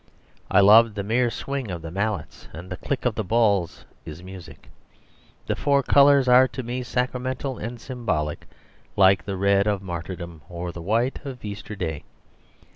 I love the mere swing of the mallets, and the click of the balls is music. The four colours are to me sacramental and symbolic, like the red of martyrdom, or the white of Easter Day.